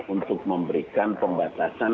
untuk memberikan pembatasan